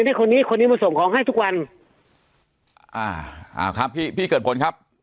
นี่คนนี้คนนี้มาส่งของให้ทุกวันอ่าอ่าครับพี่พี่เกิดผลครับ